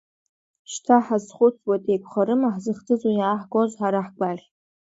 Шьҭа ҳазхәыцуеит, еиқәхарыма, ҳзыхӡыӡо иааҳгоз ҳара ҳгәаӷь?